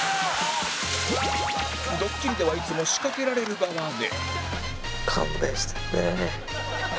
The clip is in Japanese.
ドッキリではいつも仕掛けられる側で